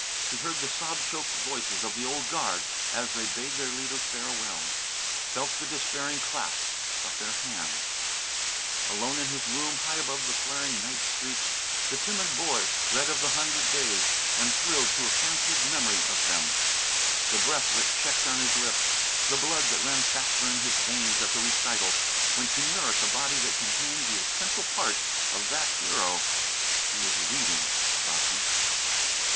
He heard the sob choked voices of the Old Guard as they bade their leader farewell felt the despairing clasp of their hands! Alone in his little room, high above the flaring night streets, the timid boy read of the Hundred Days, and thrilled to a fancied memory of them. The breath that checked on his lips, the blood that ran faster in his veins at the recital, went to nourish a body that contained the essential part of that hero he was reading about himself!